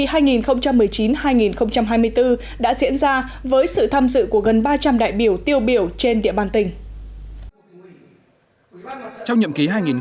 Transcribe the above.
đại hội đại biểu mặt trận tổ quốc việt nam tỉnh lào cai lần thứ một mươi năm nhiệm kỳ hai nghìn một mươi chín hai nghìn hai mươi đã diễn ra với sự tham dự của gần ba trăm linh đại biểu tiêu biểu trên địa bàn tỉnh